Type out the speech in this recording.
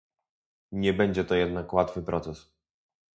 Nie będzie to jednak łatwy proces